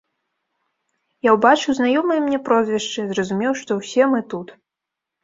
Я ўбачыў знаёмыя мне прозвішчы, зразумеў, што ўсе мы тут.